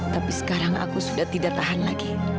tapi sekarang aku sudah tidak tahan lagi